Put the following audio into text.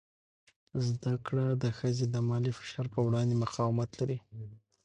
زده کړه ښځه د مالي فشار په وړاندې مقاومت لري.